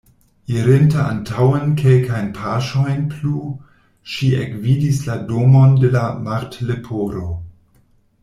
Irinte antaŭen kelkajn paŝojn plu, ŝi ekvidis la domon de la Martleporo.